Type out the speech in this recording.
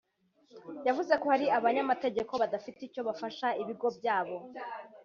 yavuze ko hari abanyamategeko badafite icyo bafasha ibigo byabo